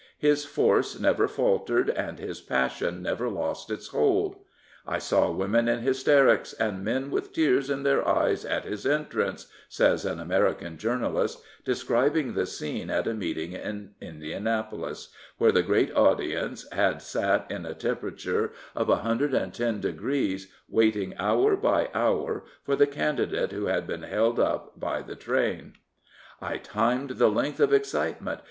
His force never faltered and his passion never lost its hold. I saw women in hysterics and men with tears in their eyes at his entrance," says an American journal ist, describing the scene at a meeting at Indianapolis, where the great audience had sat in a temperature of no degrees waiting hour by hour for the candidate who had been held up by the train. " I timed the length of excitement.